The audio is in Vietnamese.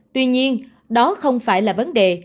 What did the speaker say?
tuy nhiên đó không phải là vấn đề